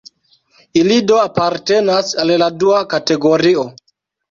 Ili do apartenas al la dua kategorio.